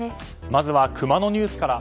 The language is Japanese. まずはクマのニュースから。